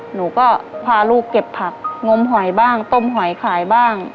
หนูก็พาลูกเก็บผักงมหอยบ้างต้มหอยขายบ้าง